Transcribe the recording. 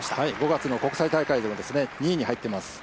５月の国際大会では２位に入っています。